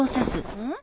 うん？